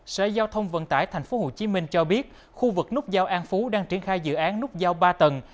sở giao thông vận tải tp hcm cho biết khu vực nút giao an phú đang triển khai dự án nút giao ba tầng